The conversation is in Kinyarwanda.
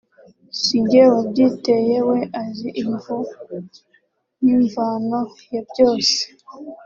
sinjye wabyiteye we azi imvo n’imvano ya byose